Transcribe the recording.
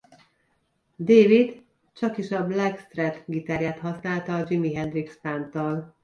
David csakis a Black Strat gitárját használta a Jimi Hendrix pánttal.